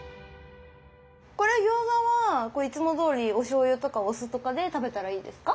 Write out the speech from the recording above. これ餃子はいつもどおりおしょうゆとかお酢とかで食べたらいいですか？